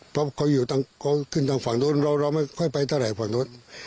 เพราะเขาขึ้นจากทางฝั่งนู้นเราไม่ค่อยไปทางฝั่งนู้น